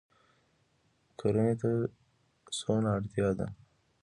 کرنې ته څومره اړتیا ده؟